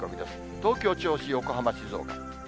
東京、銚子、横浜、静岡。